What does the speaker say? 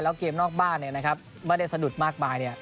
เกมนอกบ้านไม่ได้สะดุดมากมาย